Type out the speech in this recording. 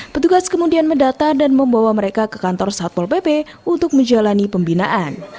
petugas kemudian mendata dan membawa mereka ke kantor satpol pp untuk menjalani pembinaan